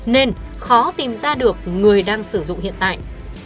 nên khó tìm ra được người đang sử dụng hiện tại